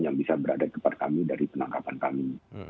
yang bisa berada di depan kami dari penangkapan kami